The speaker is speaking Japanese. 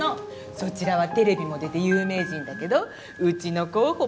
そちらはテレビも出て有名人だけどうちの候補も。